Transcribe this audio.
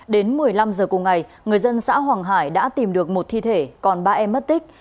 đến một mươi năm giờ cùng ngày người dân xã hoàng hải đã tìm được một thi thể còn ba em mất tích